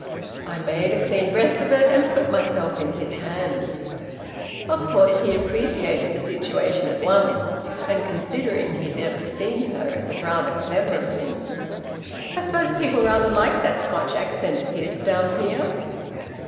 I made a clean breast of it, and put myself in his hands. Of course he appreciated the situation at once; and considering he'd never seen her, it was rather clever of him... I suppose people rather like that Scotch accent of his, down here?"